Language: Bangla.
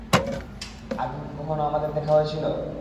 আগে কি কখনো আমাদের দেখা হয়েছিল?